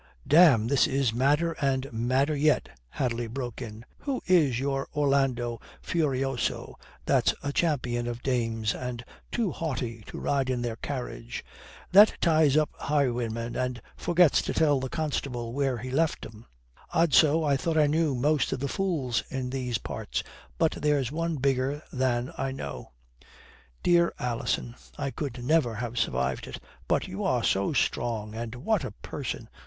"Damme, this is madder and madder yet," Hadley broke in. "Who is your Orlando Furioso that's a champion of dames and too haughty to ride in their carriage; that ties up highwaymen and forgets to tell the constable where he left 'em? Odso, I thought I knew most of the fools in these parts, but there's one bigger than I know." "Dear Alison I could never have survived it but you are so strong and what a person!